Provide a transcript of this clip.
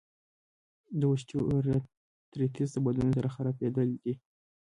د اوسټیوارتریتس د بندونو خرابېدل دي.